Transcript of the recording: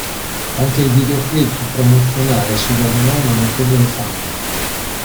Anche il videoclip promozionale si guadagnò una notevole fama.